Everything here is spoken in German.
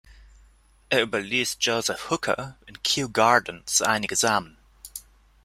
Er überließ Joseph Hooker in Kew Gardens einige Samen.